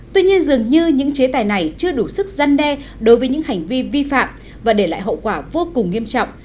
tuy nhiên dường như những chế tài này chưa đủ sức gian đe đối với những hành vi vi phạm và để lại hậu quả vô cùng nghiêm trọng